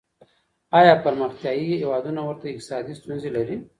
آيا پرمختيايي هيوادونه ورته اقتصادي ستونزې لري؟